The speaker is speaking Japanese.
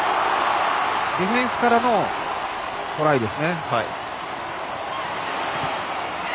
ディフェンスからのトライですね。